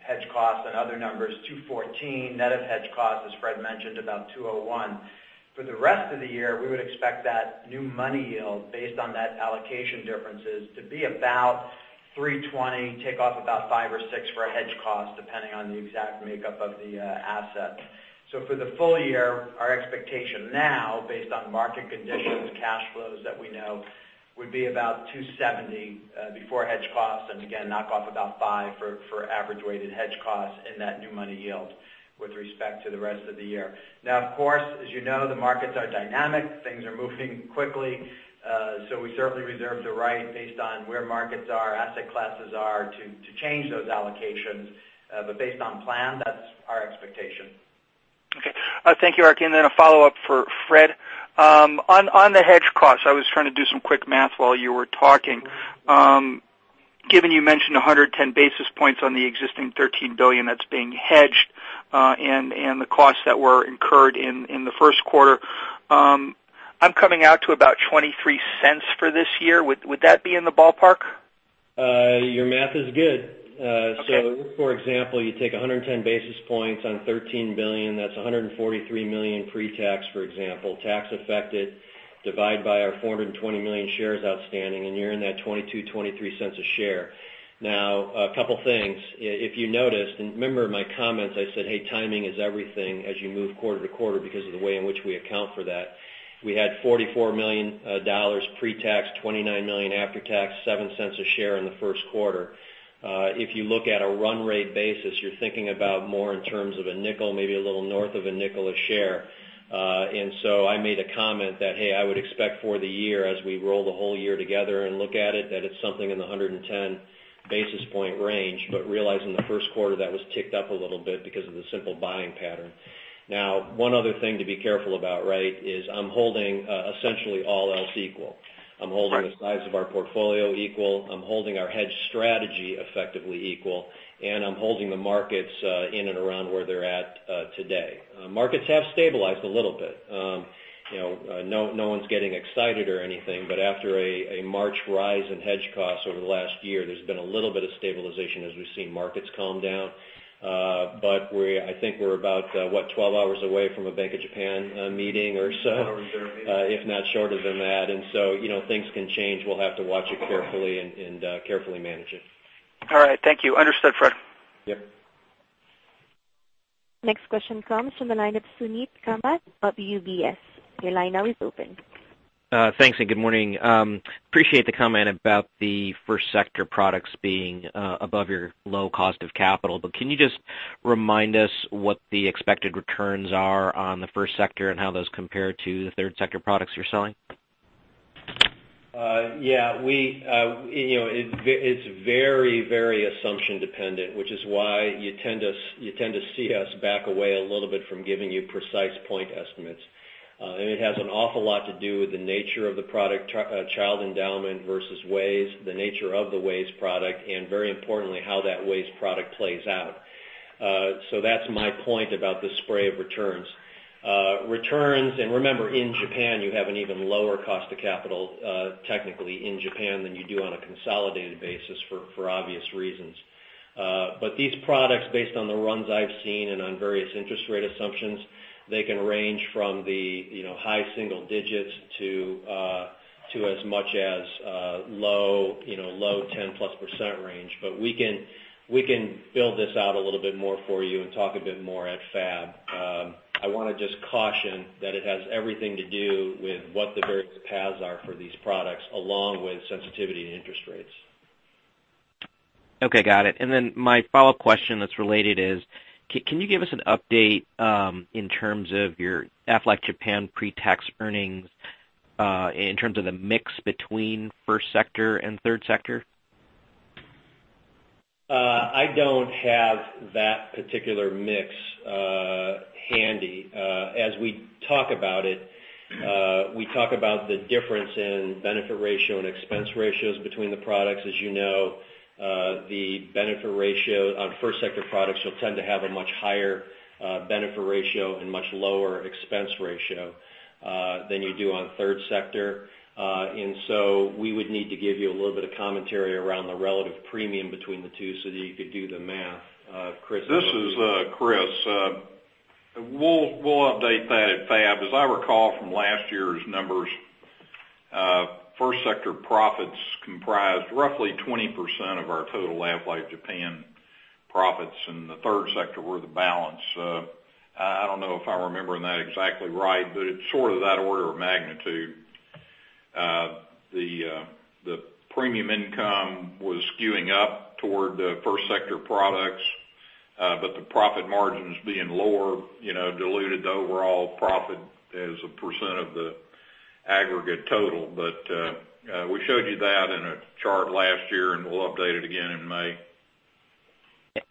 hedge costs and other numbers, 214 net of hedge costs, as Fred mentioned, about 201. For the rest of the year, we would expect that new money yield based on that allocation differences to be about 320, take off about five or six for a hedge cost, depending on the exact makeup of the asset. For the full year, our expectation now, based on market conditions, cash flows that we know, would be about 270 before hedge costs, and again, knock off about five for average weighted hedge costs in that new money yield with respect to the rest of the year. Of course, as you know, the markets are dynamic. Things are moving quickly. We certainly reserve the right based on where markets are, asset classes are, to change those allocations. Based on plan, that's our expectation. Thank you, Eric. A follow-up for Fred. On the hedge costs, I was trying to do some quick math while you were talking. Given you mentioned 110 basis points on the existing $13 billion that's being hedged, and the costs that were incurred in the first quarter, I'm coming out to about $0.23 for this year. Would that be in the ballpark? Your math is good. Okay. For example, you take 110 basis points on $13 billion. That's $143 million pre-tax, for example. Tax affected, divide by our 420 million shares outstanding, you're in that $0.22, $0.23 a share. A couple things. If you noticed, remember my comments, I said, hey, timing is everything as you move quarter to quarter because of the way in which we account for that. We had $44 million pre-tax, $29 million after tax, $0.07 a share in the first quarter. If you look at a run rate basis, you're thinking about more in terms of $0.05, maybe a little north of $0.05 a share. I made a comment that, hey, I would expect for the year as we roll the whole year together and look at it, that it's something in the 110 basis point range, realizing the first quarter that was ticked up a little bit because of the simple buying pattern. One other thing to be careful about is I'm holding essentially all else equal. I'm holding the size of our portfolio equal. I'm holding our hedge strategy effectively equal, I'm holding the markets in and around where they're at today. Markets have stabilized a little bit. No one's getting excited or anything, after a March rise in hedge costs over the last year, there's been a little bit of stabilization as we've seen markets calm down. I think we're about 12 hours away from a Bank of Japan meeting or so if not shorter than that. Things can change. We'll have to watch it carefully and carefully manage it. All right. Thank you. Understood, Fred. Yep. Next question comes from the line of Suneet Kamath of UBS. Your line now is open. Thanks and good morning. Appreciate the comment about the first sector products being above your low cost of capital, can you just remind us what the expected returns are on the first sector and how those compare to the third sector products you're selling? Yeah. It's very assumption dependent, which is why you tend to see us back away a little bit from giving you precise point estimates. It has an awful lot to do with the nature of the product, Child Endowment versus WAYS, the nature of the WAYS product, and very importantly, how that WAYS product plays out. That's my point about the spray of returns. Returns, and remember, in Japan, you have an even lower cost of capital, technically in Japan than you do on a consolidated basis for obvious reasons. These products, based on the runs I've seen and on various interest rate assumptions, they can range from the high single digits to as much as low 10-plus % range. We can build this out a little bit more for you and talk a bit more at FAB. I want to just caution that it has everything to do with what the various paths are for these products, along with sensitivity to interest rates. Okay, got it. Then my follow-up question that's related is, can you give us an update in terms of your Aflac Japan pre-tax earnings in terms of the mix between first sector and third sector? I don't have that particular mix handy. As we talk about it, we talk about the difference in benefit ratio and expense ratios between the products. As you know, the benefit ratio on first sector products will tend to have a much higher benefit ratio and much lower expense ratio than you do on third sector. We would need to give you a little bit of commentary around the relative premium between the two so that you could do the math. Kriss, do you want to? This is Kriss. We'll update that at FAB. As I recall from last year's numbers, first sector profits comprised roughly 20% of our total Aflac Japan profits, and the third sector were the balance. I don't know if I'm remembering that exactly right, but it's sort of that order of magnitude. The premium income was skewing up toward the first sector products, the profit margins being lower diluted the overall profit as a percent of the aggregate total. We showed you that in a chart last year, and we'll update it again in May.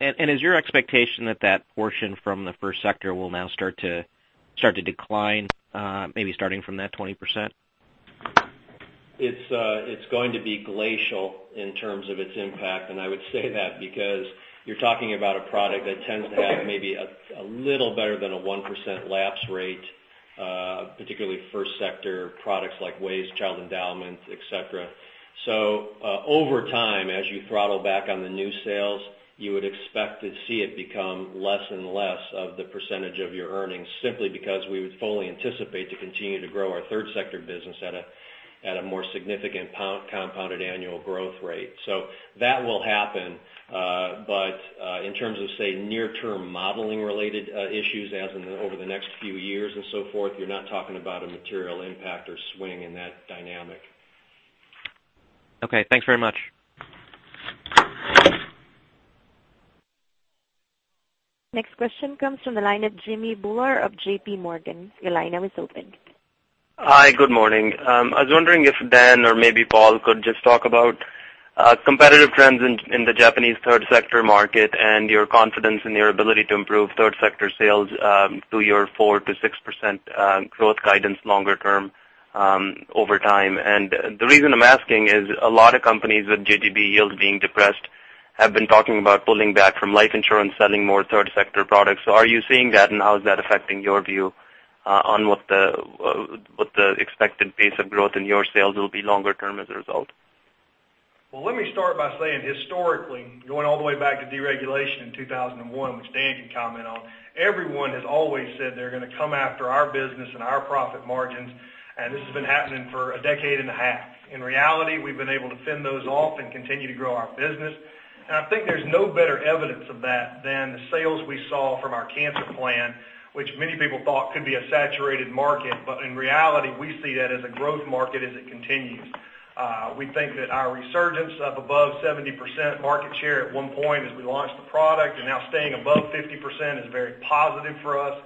Is your expectation that that portion from the first sector will now start to decline, maybe starting from that 20%? It's going to be glacial in terms of its impact. I would say that because you're talking about a product that tends to have maybe a little better than a 1% lapse rate, particularly first sector products like WAYS, Child Endowment, et cetera. Over time, as you throttle back on the new sales, you would expect to see it become less and less of the percentage of your earnings, simply because we would fully anticipate to continue to grow our third sector business at a more significant compounded annual growth rate. That will happen. In terms of, say, near term modeling related issues as in over the next few years and so forth, you're not talking about a material impact or swing in that dynamic. Okay, thanks very much. Next question comes from the line of Jimmy Bhullar of JPMorgan. Your line is open. Hi, good morning. I was wondering if Dan or maybe Paul could just talk about competitive trends in the Japanese third sector market and your confidence in your ability to improve third sector sales to your 4%-6% growth guidance longer term over time. The reason I am asking is a lot of companies with JGB yields being depressed have been talking about pulling back from life insurance, selling more third sector products. Are you seeing that, and how is that affecting your view on what the expected pace of growth in your sales will be longer term as a result? Well, let me start by saying historically, going all the way back to deregulation in 2001, which Dan can comment on, everyone has always said they're going to come after our business and our profit margins. This has been happening for a decade and a half. In reality, we've been able to fend those off and continue to grow our business. I think there's no better evidence of that than the sales we saw from our cancer plan, which many people thought could be a saturated market. In reality, we see that as a growth market as it continues. We think that our resurgence up above 70% market share at one point as we launched the product and now staying above 50% is very positive for us.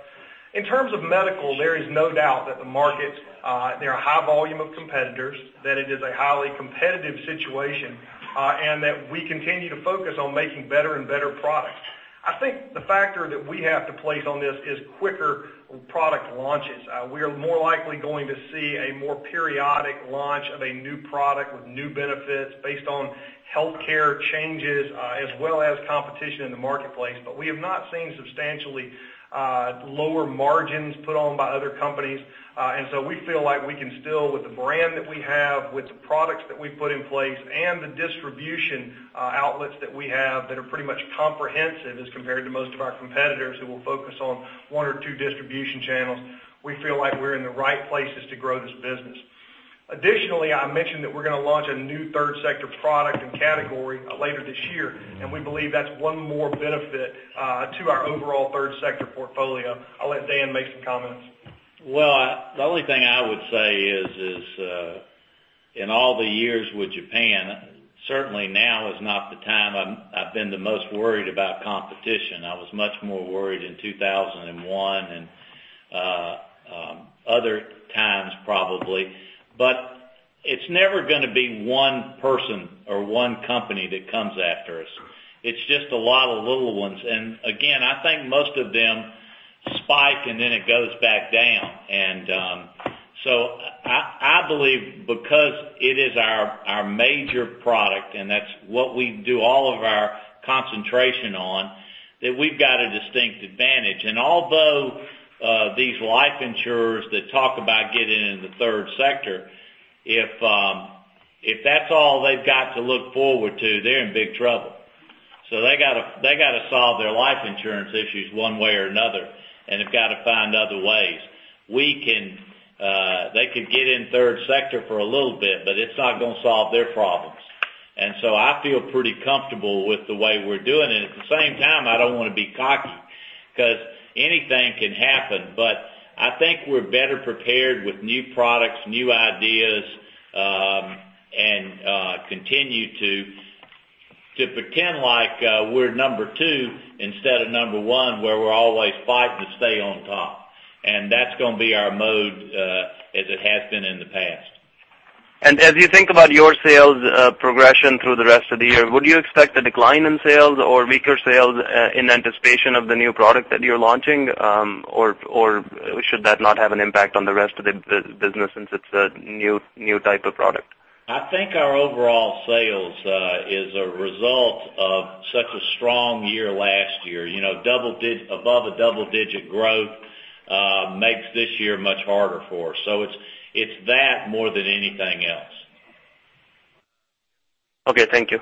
In terms of medical, there is no doubt that the market, there are a high volume of competitors, that it is a highly competitive situation, and that we continue to focus on making better and better products. I think the factor that we have to place on this is quicker product launches. We are more likely going to see a more periodic launch of a new product with new benefits based on healthcare changes as well as competition in the marketplace. We have not seen substantially lower margins put on by other companies. We feel like we can still, with the brand that we have, with the products that we put in place and the distribution outlets that we have that are pretty much comprehensive as compared to most of our competitors who will focus on one or two distribution channels, we feel like we're in the right places to grow this business. Additionally, I mentioned that we're going to launch a new Third Sector product and category later this year, and we believe that's one more benefit to our overall Third Sector portfolio. I'll let Dan make some comments. Well, the only thing I would say is, in all the years with Japan, certainly now is not the time I've been the most worried about competition. I was much more worried in 2001 and other times probably. It's never going to be one person or one company that comes after us. It's just a lot of little ones. Again, I think most of them spike and then it goes back down. I believe because it is our major product, and that's what we do all of our concentration on, that we've got a distinct advantage. Although these life insurers that talk about getting into the Third Sector, if that's all they've got to look forward to, they're in big trouble. They got to solve their life insurance issues one way or another and have got to find other ways. They could get in Third Sector for a little bit, but it's not going to solve their problems. I feel pretty comfortable with the way we're doing it. At the same time, I don't want to be cocky because anything can happen. I think we're better prepared with new products, new ideas, and continue to pretend like we're number 2 instead of number 1, where we're always fighting to stay on top. That's going to be our mode as it has been in the past. As you think about your sales progression through the rest of the year, would you expect a decline in sales or weaker sales in anticipation of the new product that you're launching? Should that not have an impact on the rest of the business since it's a new type of product? I think our overall sales is a result of such a strong year last year. Above a double-digit growth makes this year much harder for us. It's that more than anything else. Okay. Thank you.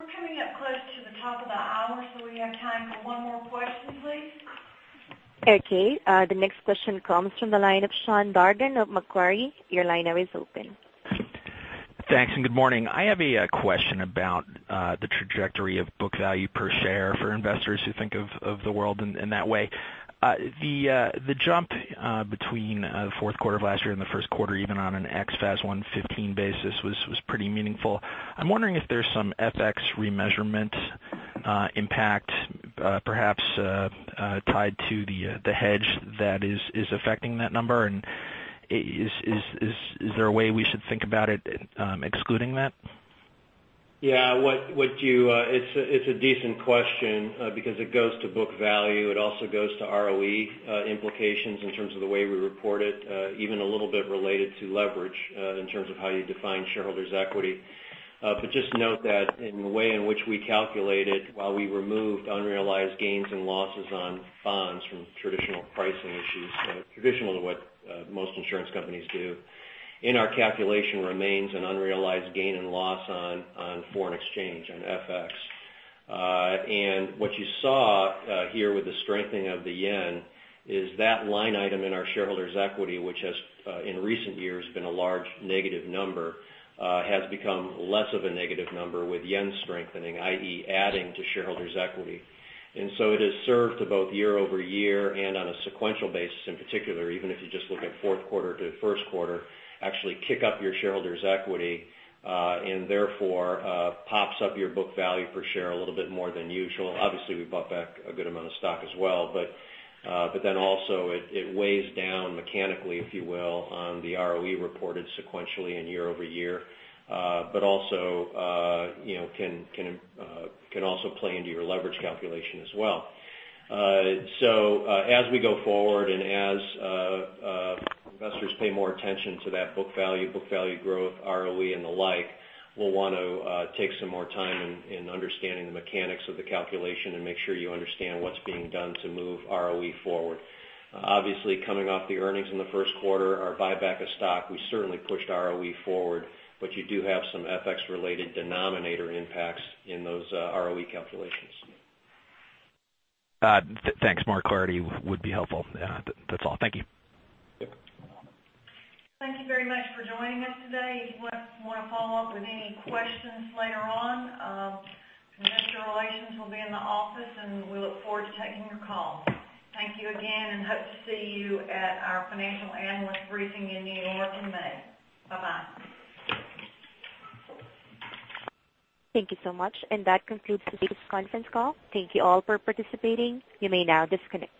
We're coming up close to the top of the hour, so we have time for one more question, please. Okay. The next question comes from the line of Sean Dargan of Macquarie. Your line now is open. Thanks, and good morning. I have a question about the trajectory of book value per share for investors who think of the world in that way. The jump between the fourth quarter of last year and the first quarter, even on an ex-FAS 115 basis, was pretty meaningful. I'm wondering if there's some FX remeasurement impact perhaps tied to the hedge that is affecting that number, and is there a way we should think about it excluding that? Yeah. It's a decent question because it goes to book value. It also goes to ROE implications in terms of the way we report it even a little bit related to leverage in terms of how you define shareholders' equity. Just note that in the way in which we calculate it, while we removed unrealized gains and losses on bonds from traditional pricing issues, kind of traditionally what most insurance companies do, in our calculation remains an unrealized gain and loss on foreign exchange, on FX. What you saw here with the strengthening of the yen is that line item in our shareholders' equity, which has in recent years been a large negative number has become less of a negative number with yen strengthening, i.e., adding to shareholders' equity. It has served to both year-over-year and on a sequential basis in particular, even if you just look at fourth quarter to first quarter, actually kick up your shareholders' equity, and therefore, pops up your book value per share a little bit more than usual. Obviously, we bought back a good amount of stock as well, also it weighs down mechanically, if you will, on the ROE reported sequentially and year-over-year but can also play into your leverage calculation as well. As we go forward and as investors pay more attention to that book value, book value growth, ROE, and the like, we'll want to take some more time in understanding the mechanics of the calculation and make sure you understand what's being done to move ROE forward. Obviously, coming off the earnings in the first quarter, our buyback of stock, we certainly pushed ROE forward, you do have some FX-related denominator impacts in those ROE calculations. Thanks. More clarity would be helpful. That's all. Thank you. Yep. Thank you very much for joining us today. If you want to follow up with any questions later on, investor relations will be in the office, and we look forward to taking your call. Thank you again, and hope to see you at our financial analyst briefing in New York in May. Bye-bye. Thank you so much. That concludes today's conference call. Thank you all for participating. You may now disconnect.